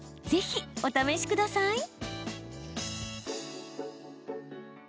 ぜひお試しください。